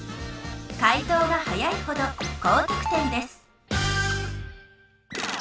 かい答が早いほど高得点です